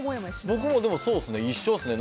僕も一緒ですね。